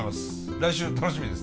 来週楽しみですね。